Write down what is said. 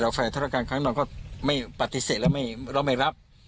แต่ฝ่ายธุรการข้างนอกก็ปฏิเสธเราไม่รับ